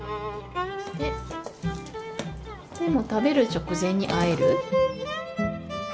食べる直前にあえる。